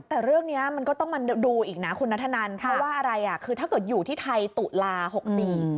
แต่เรื่องเนี้ยมันก็ต้องมาดูอีกนะคุณนัทธนันเพราะว่าอะไรอ่ะคือถ้าเกิดอยู่ที่ไทยตุลาหกสี่